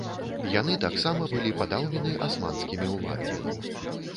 Яны таксама былі падаўлены асманскімі ўладамі.